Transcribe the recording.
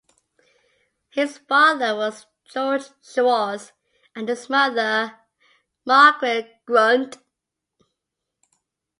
His father was George Schwartz and his mother Margaret Grundt.